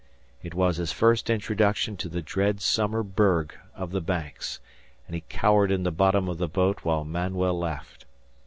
It was his first introduction to the dread summer berg of the Banks, and he cowered in the bottom of the boat while Manuel laughed.